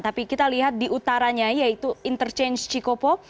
tapi kita lihat di utaranya yaitu interchange cikopo